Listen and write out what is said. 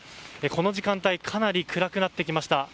この時間帯かなり暗くなってきました。